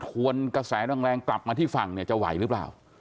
วนกระแสแรงกลับมาที่ฝั่งเนี่ยจะไหวหรือเปล่า